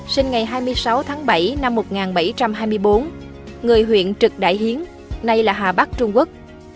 sinh ngày hai mươi sáu tháng bảy năm một nghìn bảy trăm hai mươi bốn người huyện trực đại hiến nay là hà bắc trung quốc